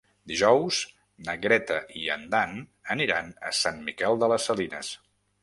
Dijous na Greta i en Dan aniran a Sant Miquel de les Salines.